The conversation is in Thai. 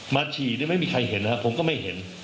ฉี่นี่ไม่มีใครเห็นนะครับผมก็ไม่เห็น